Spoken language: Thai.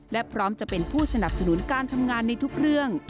และพร้อมจะเป็นผู้สนับสนุนการทำงานในทุกเรื่อง